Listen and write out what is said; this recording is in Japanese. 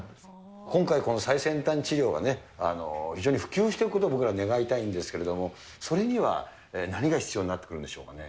今回、最先端治療が非常に普及していくことを僕ら、願いたいんですけれども、それには何が必要になってくるんでしょうかね。